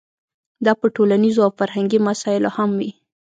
دا په ټولنیزو او فرهنګي مسایلو هم وي.